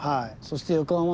そして横浜の。